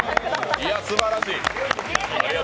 いや、すばらしい。